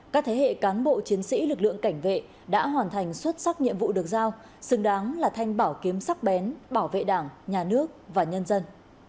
các thế hệ cán bộ chiến sĩ lực lượng cảnh vệ đã hoàn thành xuất sắc nhiệm vụ được giao xứng đáng là thanh bảo kiếm sắc bén bảo vệ đảng nhà nước và nhân dân